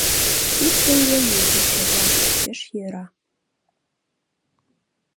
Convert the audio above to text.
Ик теҥгем утым шотла, пеш йӧра...